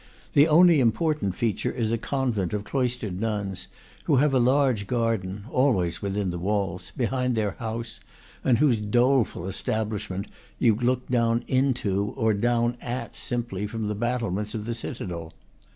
The only im portant feature is a convent of cloistered nuns, who have a large garden (always within the walls) behind their house, and whose doleful establishment you look down into, or down at simply, from the battlements of the citadel.